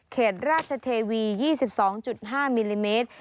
เขตราชเทวี๒๒๕มิลลิเมตร